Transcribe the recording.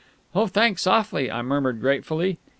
"Oh, thanks awfully," I murmured gratefully.